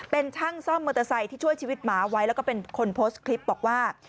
เป็นช่างซ่อมมอเตอร์ไซค์ที่ช่วยชีวิตหมาไว้แล้วก็เป็นคนโพสต์คลิปบอกว่า